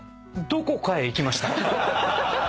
どこかへ行きました。